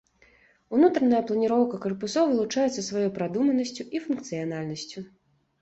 Унутраная планіроўка карпусоў вылучаецца сваёй прадуманасцю і функцыянальнасцю.